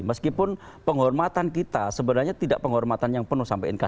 meskipun penghormatan kita sebenarnya tidak penghormatan yang penuh sampai nkri